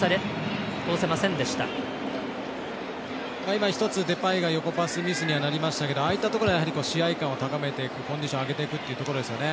今、一つ横パスデパイがミスになりましたけどああいったところで試合感を高めていくコンディションを上げていくというところですよね。